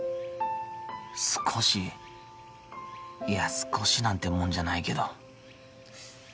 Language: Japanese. いや少しなんてもんじゃないけど